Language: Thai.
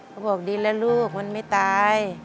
ก็บอกดีละลูกมันไม่ตาย